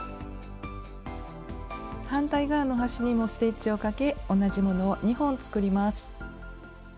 反対側の端にもステッチをかけ同じものを２本作ります。